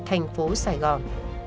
thành phố sài gòn